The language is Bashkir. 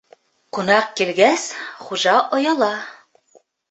Ҡунаҡ килгәс, хужа ояла.